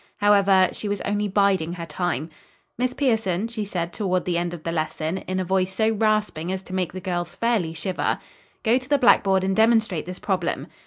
However, she was only biding her time. "Miss Pierson," she said, toward the end of the lesson, in a voice so rasping as to make the girls fairly shiver, "go to the blackboard and demonstrate this problem."